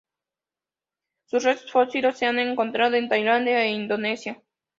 Sus restos fósiles se han encontrado en Tailandia e Indonesia.